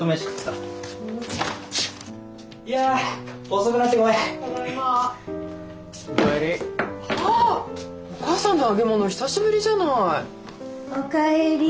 お母さんの揚げ物久しぶりじゃない！お帰り。